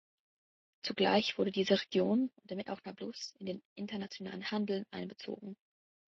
Zugleich wurde diese Region (und damit auch Nablus) in den internationalen Handel einbezogen.